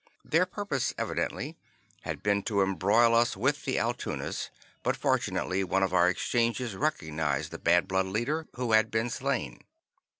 Their purpose, evidently, had been to embroil us with the Altoonas, but fortunately, one of our exchanges recognized the Bad Blood leader, who had been slain.